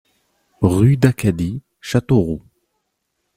Rue d'Acadie, Châteauroux